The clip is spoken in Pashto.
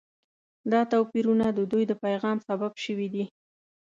دا توپیرونه د دوی د پیغام سبب شوي دي.